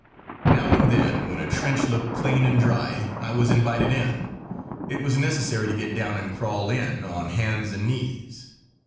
Now and then, when a trench looked clean and dry, I was invited in. It was necessary to get down and crawl in on hands and knees.